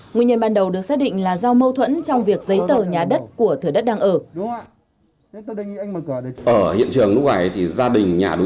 nguyên nhân ban đầu được xác định là do mâu thuẫn trong việc giấy tờ nhà đất của thửa đất đang ở